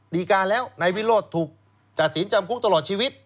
ดีการแล้วนายวิโรธถูกตัดสินจำคุกตลอดชีวิต